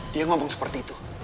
dia ngomong seperti itu